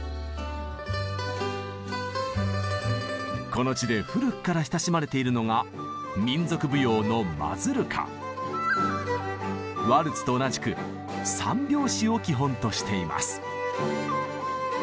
この地で古くから親しまれているのがワルツと同じく３拍子を基本としています。